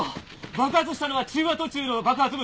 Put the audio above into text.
爆発したのは中和途中の爆発物。